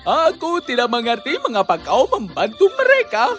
aku tidak mengerti mengapa kau membantu mereka